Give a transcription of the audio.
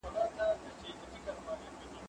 که وخت وي، سندري اورم!.